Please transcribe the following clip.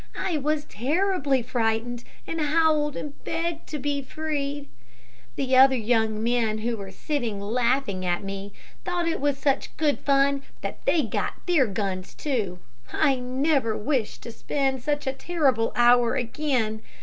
I was terribly frightened, and howled and begged to be freed. "The other young men, who were sitting laughing at me, thought it such good fun that they got their guns, too. I never wish to spend such a terrible hour again.